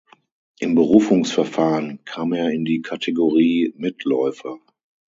Im Berufungsverfahren kam er in die Kategorie "Mitläufer".